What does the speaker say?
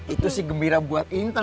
itu sih gembira buat intan